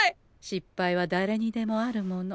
失敗はだれにでもあるもの。